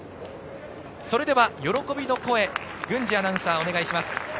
それでは喜びの声、郡司アナウンサー、お願いします。